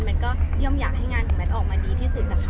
มันก็ย่อมอยากให้งานของแมทออกมาดีที่สุดนะคะ